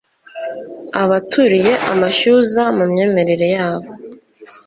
Abaturiye amashyuza mu myemerere yabo,